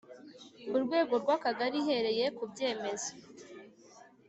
ku rwego rwakagari ihereye ku byemezo